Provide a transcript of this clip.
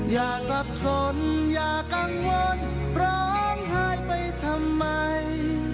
อย่าสับสนอย่ากังวลร้องไห้ไปทำไม